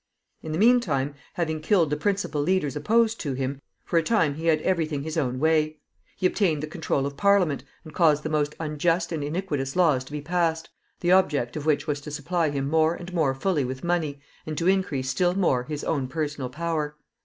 In the mean time, having killed the principal leaders opposed to him, for a time he had every thing his own way. He obtained the control of Parliament, and caused the most unjust and iniquitous laws to be passed, the object of which was to supply him more and more fully with money, and to increase still more his own personal power.